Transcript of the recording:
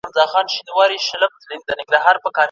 څوک چي وبا نه مني توره بلا نه مني